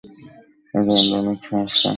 ইতিমধ্যে অনেক সংস্কার বাস্তবায়িত হয়েছে।